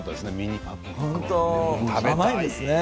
食べたいですね。